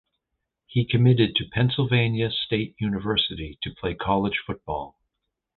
He committed to Pennsylvania State University to play college football.